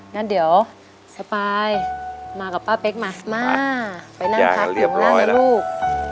งั้นเดี๋ยวสปายมากับป้าเป๊กมามาไปนั่งพักอยู่ข้างล่างนะลูก